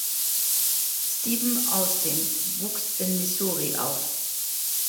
Stephen Austin wuchs in Missouri auf.